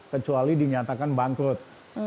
kecuali dinyatakan bangkrut